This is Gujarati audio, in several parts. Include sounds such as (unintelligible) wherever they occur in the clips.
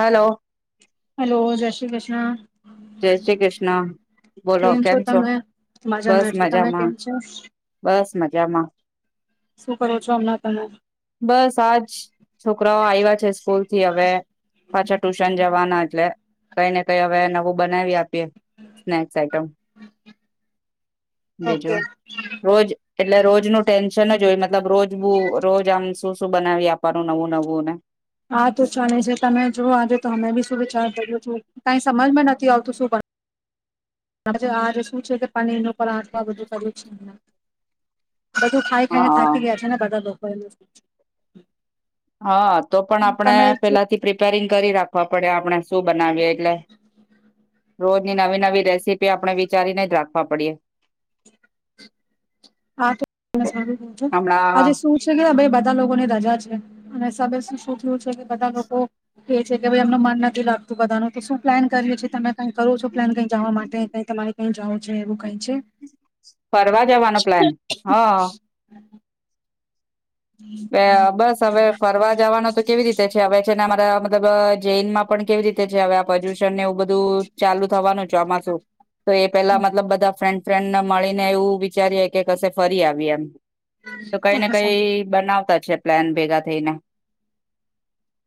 હેલો હલો, જય શ્રી કૃષ્ણ. હા. જય શ્રી કૃષ્ણ. બોલો કેમ છો? બસ મજામાં છું તમે મજામાં! કેમ છો બસ મજામાં. શું કરો છો હમણાં તમે? બસ આજ, છોકરાઓ આઇવા છે સ્કૂલ થી હવે પાછા ટૂશન જવાના એટલે કઈ ને કઈ હવે નવું બનાવી આપ તે સ્નેક્સ આઈટમ, ઓકે બીજું, રોજ એટલે રોજ નું ટેન્શન અજ હોય મત મતલબ રોજબુ રો શું શું બનાવી આપાનું નવું નવું અને હા તો ચાલે છે તમે જુઓ આજે તો અમે બી શું વિચાર કર્યો છો. કઈ સમજમાં નથી આવતું શું બના તમે છે આજે શું છે કે પનીર નું ઉપર આચમાં બધું કર્યું છે. બધું ખાઈ ખાઈને હા થાકી ગયા છે ને બધા લોકો એવુ છે. (inaudible) હા તો પણ આપડે, પેલાથી પ્રિ (inaudible) કરી રાખવા પડે આપણે શું બનાવીએ એટલે (unintelligible) રોજની નવી નવી રેસીપી આપણે વિચારીને જ રાખવા પડીએ આ તો (inaudible) આજે હમણાં શું છે કે હવે બ બધા લોકો ને રજા છે અને સામે શું શું થયું છે કે બધા લોકો કે છે કે ભાઈ એમનું મન નથી લાગ બધાનું કે શું? પ્લાન કર્યું છે તમેં કઈ કરો છો પ્લેન કઈ જાવા માટે, કંઈ તમારે કઈ જાવું છે એવું કઈ? છે ફરવા જવાનો પ્લા પ્લાન, હા. બસ હવે ફરવા જવાનો તો કેવી રીતે છે હવે છે ને અમારા મતલબ જૈનમાં પણ કેવી રીતે છે હવે આ પ્રદુષણ ને એવું બધું ચાલુ થવાનું ચોમાસું, તો એ પેલા હમ, મતલબ બધા ફ્રેન્ડ ફ્રેન્ડને મળીને એવું વિચારીએ કે કશે ફરી આવી એમ. તો કઈ ને કઈ (inaudible) (unintelligible) પ્લાન ભેગા થઈને.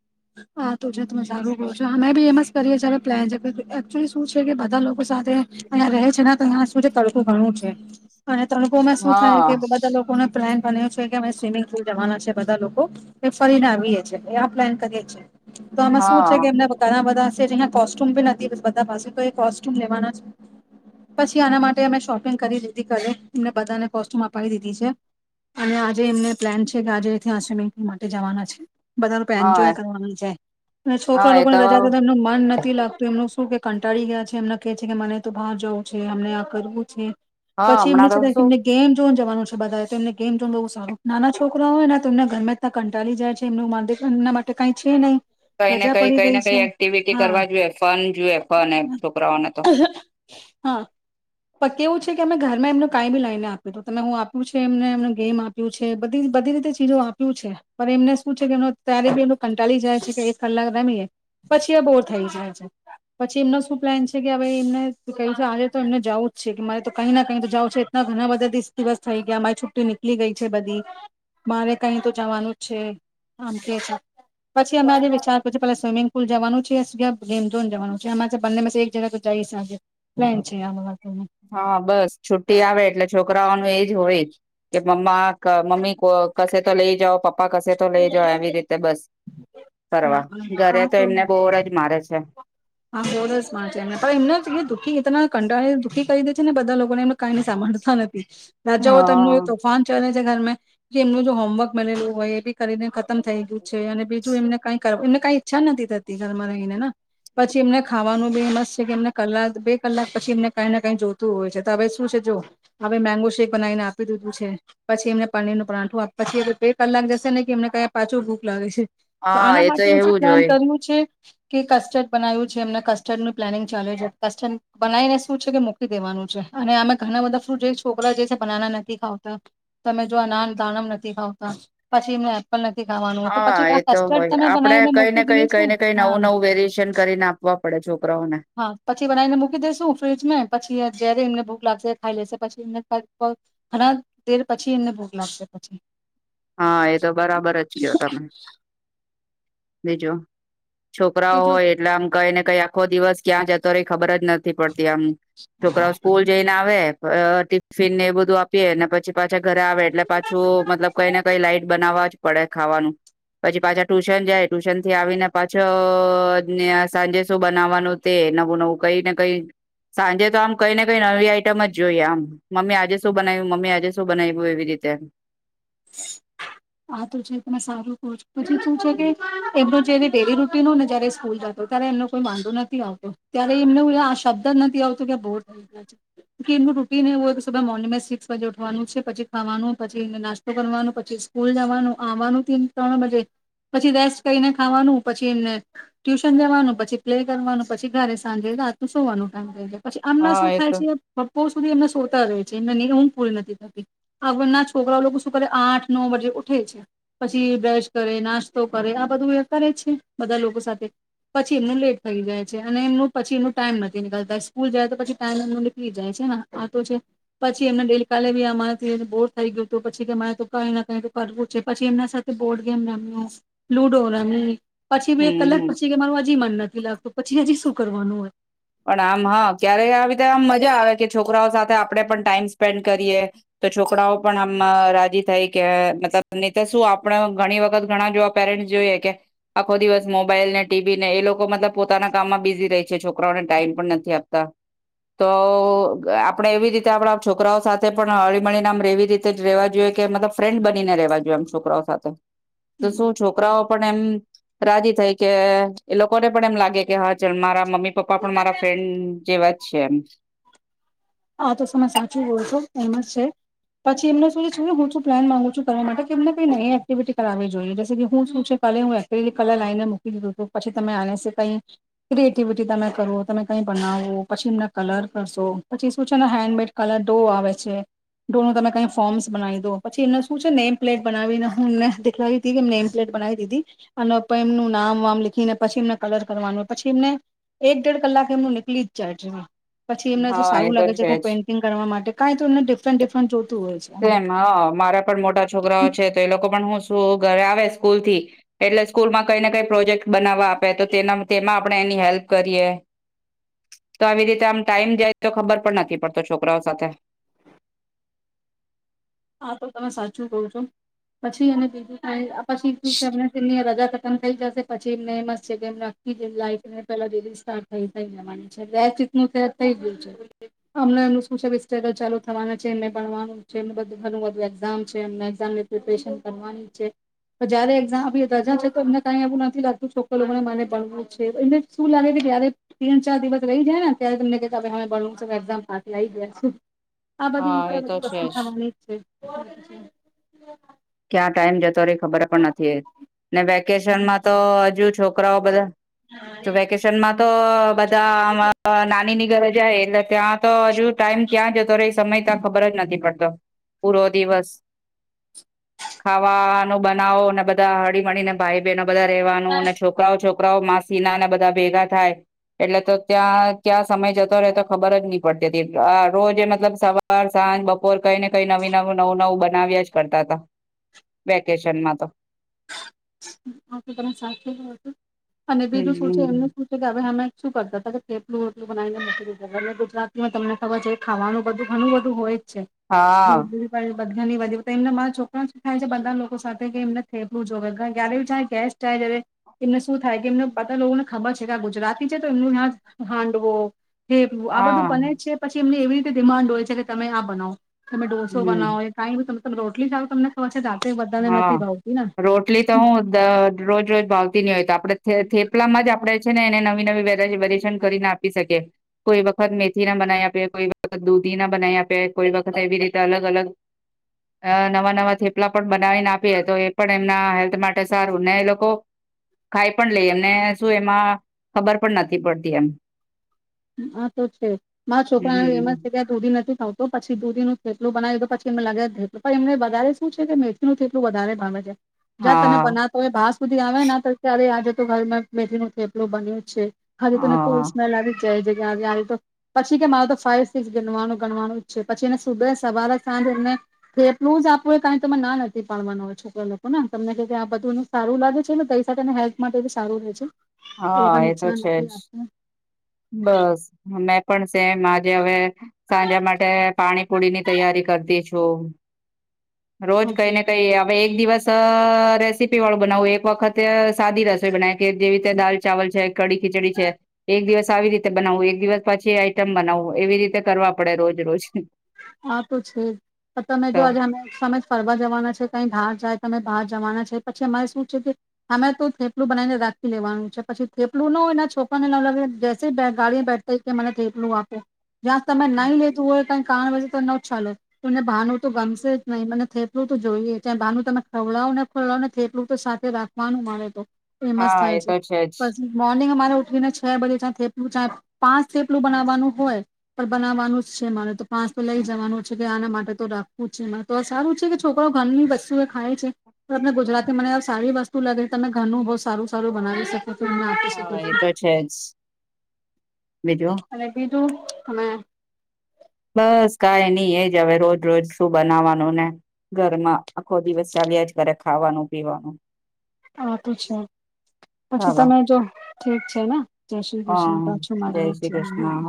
(unintelligible) બીમસ કરીએ પ્લાન છે એકચુલી શું છે કે બધા લોકો સાથે અં રહે છે તો અ શું છે તડકું ઘણું છે અને તણખોમાં શું થાય કે હા બધા લોકોને પ્લાન બન્યો છે કે અમે સ્વિમિંગ પુલ જવાના છે બધા લોકો એ ફરીને આવીએીએ એ આ પ્લાન કરીએ (inaudible) તો આમાં શું હા છે કે એમને ઘણા બધા જે જહીંયા કોસ્ટ્યુમ બી હતી બધા પાસે તો એ કોસ્ટ્યુમ લેવાના છે પછી આના માટે અમે શોપિંગ કરી દીધી કરે એમને બધાને કોસ્ટ્યુમ અપાવી દીધી છે અને આજે એમને પ્લાન છે કે આજેથી્યાંશે મેં એ માટે જવાના છે. બધનું પહેનજ હા કરવા છે અને હા છોકરા એ લોકોને તો રજા એમનું મન નથી લાગતું એમનું શું કે કંટાળી ગયા છે એમને કેહે છે કે મને તો બહાર જવું છે અમને આ કરવું છે. હા પછી હમણાં એમની તો સતાાય કે શું એમને ગેમ જો જવાનું છે બધાને ગમ જો બ સારું નાના છોકરા હોયને તેમને ગરમે જ ત કંટાળી જાય છે એમનેું મા એ માટે તો કઈ છે નઈ. કઈ ને કઈ કઈ ને કઈ એક્ટિવિટી કરવા જોઈએ ફન જોુએ ફન એ છોકરાઓને તો હા પ કેવું છે કે અમે ઘરમાં એમનું કાઈ બી લઈને આપ્યું હત તમે હું આપ્યું છે એમને એમ ગેમ આપ્યું છે બધી બધી રીતે ચીજો આપ્યું છે પણ એમને શું છે કે એ અત્યારે બી એ કંટાળી જાય છે કે એક કલાક રમીએ પછી એ બોર થઈ જાય છે પછી એમનો શું પ્લાન છે કેાઈ એમને ક છે આજે તો એમને જવું જ છે કે મારે તો કઈ ના કઈ તો જવું છે એટના ઘણા બધા દીસ દિવસ થઈ ગયા મારી છુટી નીકળી ગઈ છે બધી મારે કઈ તો જવાનું જ છે આમ કે છે. પછી અમા જે વિચારું છે પેલા સ્વિમિંગ પુલ જવાનું છે ગેમઝોન જવાનું છે અરે બંને પ એક જગ્યા તો જઈ શકી પ્લેન છે આ હા બસ છુટી આવે એટલે છોકરાઓ ન એજ હોય જ કે મમ્મા મમ્મી કશે તો લઈ જાઓ પપ પપ્પા કશે તો લઈ જ આવી રીતે બસ હા ફ ઘરે તો એમને બોરજ મારે છે. હા (inaudible) કંડા દુખી કહી દે છે ને લોકોને એમ કઈ સાભળતા ન રાજાઓ હા તેમનું તોફાન છે ઘર એમનું જો હોમવર્ક બનેલું હોય એ બી કરીને ખતમ થઈ ગયું છે અને બીજું એમને કઈ કઈ ઈચ્છા નથી થતી ઘરમાં રહીને પછી એમને ખાવાનું બી મસ્ત છે કે એમને કલાક બે કલાક પછી એમને કઈ ને કઈ જોતું હોય છે તો હવે શું છે જો હવે મેંગો શેક બનાવીને આપી દીધું છે પછી એમને પનીર નું પરંઠું પછી બે કલાક જશે ને કે એમને ક્યાયા પાછોળ ભૂક લાગે છે તો હા આના એ માટે હું શું એવું જ પ્લાન હોય કર્યું છે. કે કસ્ટર્ડ બનાવ્યું છે એમને કસ્ટર્ડનુંું પ્લાનિંગ ચાલે છે કસ્ટર્ડ બનાવીને શું છે કે મૂકી દેવાનું છે અને અમે ઘણા બધા જે છોકરા જે છે બનાના નથી ખાવતા તમે જો આ ના દાણમ નથી ખાવતા પછી એમને લ નથી ખાવાનું હો તો હા પછી આ એ તો કસ્ટર્ડ હોય તમે આપડે બનાવીને કઈ ને મૂકી દે કઈ કઈ ને છે કઈ હા નવું નવું વેરિએશન કરીને આપવા પડે છોકરાઓને હા પછી બનાવીને મૂકી દેસુ ફ્રીજમાં પછી જ્યારે એમને ભૂખ લાગશે ખાઈ લેશે પછી એમ ઘણા તેર પછી એમને ભૂખ લાગશે પછી હા. તો બરાબર જ કયો તમે ભેજો. છોકરાઓ બીજું હોય એટલે આમ કઈને ઈ આખ દિવસ ક્યાં જતો રે ખબર જ નથી પડતી આમ છોકરાઓ સ્કૂલ જઈને આવે અ ટિફિન ને એ બધું આપીએ ને પછી પાછા ઘરે આવે એટલે પાછું મતલબ કઈ લાઈઇટ બનાવા જ પડે ખાવાનું પછી પાછા ટ્યુશન જાય ટ્યુશન થી આવીને પાછો સાંજે શું બનાવવાનું તે નવું નવું કઈ ને કઈ સાંજે તો આમ કઈ ને કઈ નવી આઈટમ જ જોઈએ આમ મમ્મી આજે શું બનાવ્યું મમ્મી આજે શું બનાવ્યું એવી રીતે આા તો છે તમે સારું છો બી તું છે કે એમડું જે ડેલી રૂટિન ને જયારે સ્કૂલ જાતો ત્યારે એમનો કોઈ વાંધો નથી આવતો ત્યારે એમને આ શબ્દ જ નથી આવતો કે બોર થઈ ગયા છે એમનું રૂટિન એું મોર્નિંગ સિક્સ વાગે ઉઠવાનું છે પછી ખાવાનું પછી એસ્ કરવાનું પછી સ્કૂલ જવાનું આવવાનું ત્રણ બજે પછી રેસ્ટ કરીને ખાવાનું પછી એમને ટ્યુશન જવાનું પછી પ્લે કરવાનું પછી ઘરે સાંજે રાતનું સોવાનું ટાઈમ થઈ જાય પછી આમના હા શું એ થાય તો છે સુધી એમને સોતા હો છે એ એ હું પૂરી નથી કરતી આના છોકરાઓ લોકો કર આઠ નવ વજે ઉઠે છે પછી બ્રશ કરે નાસ્તો કરે આ બધું કરે છે બધા લોકો સાથે પછી એમનું લેટ થઈ જાય છે અને એમનું પછી એમનું ટાઈમ નથી નીકળતા સ્કૂલ જાય તો પછી ટાઈમ એમ નીકળી જાય છે ને આતો છે પછી એમને ડેલ કાલે બી અમારાથી બોર થઈ ગયોું પછ કે મારે ત કઈ કઈ કરવું છે પછી એમના સાથે બોર્ડ ગેમ રમ્યો લુડો રમી પછી બ એક કલાક હમ પછી કે માર હજી મન નથી લ તો પછી હજી શું કરવાનું હોય પણ આમ હા ક્યારે આવી રીતે આમ મજા આવે કે છોકરાઓ સાથે આપણે પણ ટાઈમ સ્પેન્ડ કરીએ તો છોકરાઓ પણ આમ રાજી થઈ કે મતલબ તો શું આપણે ઘણી વખત ઘણા જોવા પેરેન્ટસ જોઈએ કે આખો દિવસ મોબાઈલ ને ટીવી ને એ લોકો મતલબ પોતાના કામમાં બીઝી રહી છે છોકરા છોકરાઓને ટાઈમ પણ નથી આપતા તો આપણે એવી રીતે આપણા છોકરાઓ સાથે પણ હળી મળળીને એવી રીતે જ રેવા જોઈએ કે મતલબ ફ્રેન્ડ બનીને રેવા જોઈએ આમ છોકરાઓ સાથે તો શું છોકરાઓ એમ રાજી થઈ કે લોકોને પણ એમ લાગે કે હા ચ મારા મમ્મી પપ્પા પણ મારા ફ્રેન્ડ જેવા જ છે એમ હા તો સમસ્યા શું બોલતોો એમાં છે પછી એમને શું છે હું શું પ્લાન માંગુ છું તમા માટે કે એમને કઈ નઈ એક્ટિવિટી કરાવવી જોઈએ જ કે હું શું છે કાલે હું એક કલર લાઈને મૂકી દીધુંું પછી તમે આને કઈ ક્રિએટિવિટી તમે કરો તમે કઈ બનાવો પછી એમને કલર કરશો પછી શું છેને હેન્ડમેડ કલર ડો આવે છે ડો નું તમે કઈ ફોર્મ્સ બનાવી દો પછી એમને શું છે નેમ પ્લેટ બનાવીને હું એમને દેખવી દી કે નેમ પ્લેટ બનાવી દીધી અને એમનું નામ વામ લીખીને પછી એમને કલર કરવાનું હોય પછી એમને એક દેડ કલાક એમનું નીકળી જ જાય છે પછી એમને તો હા એ સારું લાગે છે હું જ પેઇન્ટિંગ કરવા માટે કઈ તો ડિરન્ટ ડિફન્ટ તેમ હ મારા પણ મોટા છોકરાઓ છે તો એ લોકો પણ હું ઘરે આવે સ્કૂલ થી એટલે સ્કૂલમાં કઈને કઈ પ્રોજેક્ટ બનાવવા આપે તો તેમાં આપણે એની હેલ્પ કરીએ તો આવી રીતે આમ ટાઈમ જાય તો ખબર પણ નથી પડતો છોકરાઓ સાથે હા તો તમે સાચું કો છો પછી અને બીજું કઈ પછી તમને સની રા ખતમ થઈ જશે પછી એમને છે કે લને પે સાર જવાનીીત થ ગયું છેમ એમ છે સગલ ચાલુ થવા છે એ ભણવાનું છે ઘણું બધું એક્ઝામ છે એમને એઝામની પ્રિપરેશન કરવાની છે તો જયારે એક્ઝામ રજા છે તો એમને કઈ એવું નથી લાગતું છોકરરોને મને ભણવું છે એમને શું લાગે કે જયારે તીણ ચાર દિવસ રહી જાય ને ત્યારે તમને કે કે હ ભણવું છે એક્ઝામ પાાક લી ગયા આ બધી હા રીતે એ આ તો બધી છે વસ્તુ જ. ખવાની રછી ક્યાં ટાઈમ જતો ખબર પણ નથી ને વેકેશન માં તો હજુ છોકરાઓ બધા વેકેશનમાં તો છે બધા નાની ની ઘર જ એ ત્યાં તો હજુ ટાઈમ ક્યાં જતો ર એ સમય ત ખબર જ નથી પડતો. પૂરો દિવસ ખાવાનું બનાવો અને બધા હળીમીને ભાઈ બહેનો બધા રવાનું અને છોકરાઓ છોક છોકરાઓ માસીનાને બધા ભેગા થાય એટલે તો ત્યાં ત્યાં સમય જતો રહેે તો ખબર જ નહી પડતી હતી, આ રોજ એ મતલબ સવાર સાંજ બપોર કઈ ને કઈ નવી નવું નવું નવું બનાવ્યા જ કરતા હતા. વેકેશનમાં તો તચ અને બીજું શું છે એમનું હમ શું છે કે હવે અમે શું કરતા હતા કેટલું હોટલું બનાવીને મકકીધ અને ગુજરાતી માં તમને ખબર છે ખાવાનું બધું ઘણું બધું હોય. છે. હા (unintelligible) બધાણી વધી તો એમને મારા છોકરા શ થાય છે બધા લોકો સાથે કે એમને થેલું જો. ક્યારે ગેસ્ટાય જ એમને શું થાય કે એમને પ લોકોને ખબર છે કે ગુજરાતી છે તો એમનુંયાં હાંડવો થેપલો આ બધું હા બને છે પછી એમની એવી રીતે ડિમાન્ડ હોય છે કે તમે આ બનાવો. તમે ડોસો હમ બનાવો કઈ બી તમે રોટલી ખ તમને ખબર છે રાતે બધાને હા નથી ભાવતી ને રોટલી તો હું રોજ રોજ ભાવતી નહી હોય તો આપડણે થેપલામાં જ આપણેે છે ને એને નવી નવી વેરએશન કરીને આપી શકીએ કોઈ વખત મેથી ના બનાવી આપીએ કોઈ વખત દૂધી ના બનાવી આપએ કોઈ વખત એવી રીતે અલગ અલગ નવા નવા થેપલા પણ બનાવીને આપીએ તો એ પણ એમના હેલ્થ માટે સારું ને એ લોકો ખાઈ પણ લઈ એમને શું એમાં ખબર પણ નથી પડતી એમ આ તો છે મા છોકરા એમ હમ જ છે ત્યાં દૂધી નથી ખાવતો પછી દૂધી ન એટલું બના્યું દ તો પછી એ લાગે જેું પણ એમને વધ શું છે કે મેથીનું એટલું વધારે ભણે છે. જ્યાં તમે હા બનાતો હોય બાર સુધી આવે ના ત્યારે આ તો ઘરમાં મેથી નો થેપલો બન્યો છે. હા ત ન સ્મેલ આવી. જય જગ્યા તો પછી કે મારે તો ફાઈવ સિક્સ ગણવાનું ગણવાનું જ છે પછી એને સુબે સવારે સાંજ એને થેટલું જ આપું હોય કમે ના નથી પાડવાનું હોય છોકરા લોકો ને તમને આ બધું એ સારું લાગે છે ને કઈને હેલ્થ માટે બ સારું રહેે છે. હા લોકોને એ તો નુકસાન છે નથી જ આપતું બસ મેં પણ સેમ આજે હવે સાંનયા માટે પાણીપુળી ની તૈયારી કરતી છું. રોજ કઈ ઓકે ને કઈ હ એક દિવસ રેસીપી વાળું બનાવું એક વખતે સાદી રસોઈ બનાવી કે જેવી રીતે દાલ ચાવલ છે કડી ખીચડી છે એક દિવસ આવી રીતે બનાવવું એક દિવસ પછી આઈટમ બનાવવું એવી રીતે કરવા પડે રોજ રોજ હા તો છે જ પણ તમે જો તો આજે અમે ફરવા જવાના છે કઈ ધાર જાય તમે બહાર જવાના છે પછી અમારે શું છે કે અમે તો થેપલું બનાવીને રાખી લેવાનું છે પછી થેપલું નો એના છોકરા ને લગે જ ગાડી બેઠ કે મને થેપલું આપો જ્યાં સમય નહી લતું હોય ત કારણ વજે ન ચાલે તને ભાાનુ તો ગમશે જ નહીં મને થટલું તો જોઈએ ત્યા ભાનું તમે ખવડાવો ને ખોડો ને થેટલું તો સાથે રાખવાનું મળે તો ફેમસ હા થાય એ છે તો જ પછી રે ઉઠને છ બે થેલું પાંચ થેપલું બનાવવાનું હોય પણ બનાવાનું જ છે મારે તો પાંચ તો લઈ જવાનું છે કે આના માટે તો રાખવું છે એમાં તો સારું છે કે છોકરો ઘરની શું એ ખાય છે તમને ગુજરાતી મને સારી વસ્તુ લાગે તમે ઘરનું બહુ સારું સારું બનાવી શકી હા એ તો છે જ બીજું શું તમે બસ કઈ નઈ એજ હવે રોજ રોજ શું બનાવવાનું ને ઘરમાં આખો દિવસ ચાલ્યા જ ઘરે ખાવાનું પીવાનું હા તો છે પછી ચાલો તમે જો ઠીક છે ને જય શ્રી હા કૃષ્ણ પાછું જય મળએ જ શ્રી છે કૃષ્ણ હા હ (inaudible)